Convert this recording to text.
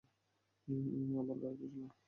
আমার গাড়িতে চলুন।